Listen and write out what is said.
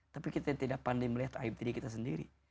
tapi kita tidak pandai melihat aib diri kita sendiri